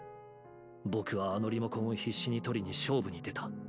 僕はあのリモコンを必死に取りに勝負に出た。